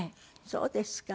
そうですか。